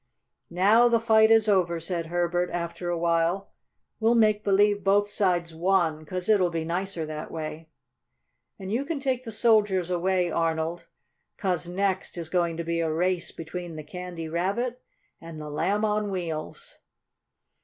"Now the fight is over," said Herbert, after a while. "We'll make believe both sides won, 'cause it will be nicer that way. And you can take the soldiers away, Arnold, 'cause next is going to be a race between the Candy Rabbit and the Lamb on Wheels."